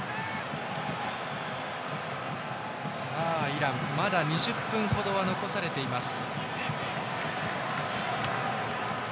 イラン、まだ２０分ほどは残されています。